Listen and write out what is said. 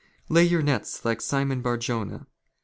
Lay "your nets like Simon Barjona.